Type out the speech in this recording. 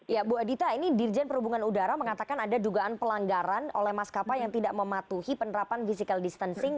ya bu adita ini dirjen perhubungan udara mengatakan ada dugaan pelanggaran oleh maskapai yang tidak mematuhi penerapan physical distancing